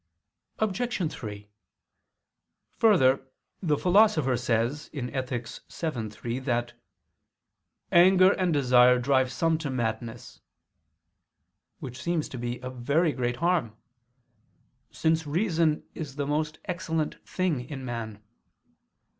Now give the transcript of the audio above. Obj. 3: Further, the Philosopher says (Ethic. vii, 3) that "anger and desire drive some to madness": which seems to be a very great harm, since reason is the most excellent thing in man.